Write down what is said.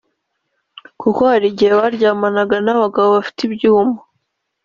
Kuko hari igihe baryamanaga n’abagabo bafite ibyuma